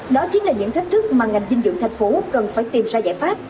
đó chính là những thách thức mà ngành dinh dưỡng thành phố cần phải tìm ra giải pháp